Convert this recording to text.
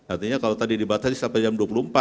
artinya kalau tadi dibatasi sampai jam dua puluh empat